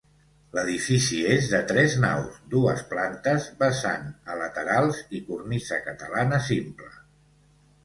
L’edifici és de tres naus, dues plantes, vessant a laterals i cornisa catalana simple.